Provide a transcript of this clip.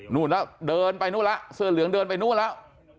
นู่นแล้วเดินไปนู่นแล้วเสื้อเหลืองเดินไปนู่นแล้ว